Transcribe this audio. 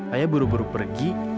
ayah buru buru pergi